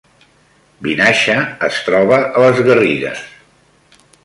Vinaixa es troba a les Garrigues